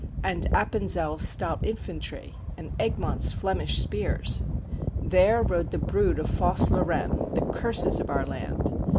And Appenzel's stout infantry, and Egmont's Flemish spears. There rode the brood of false Lorraine, the curses of our land!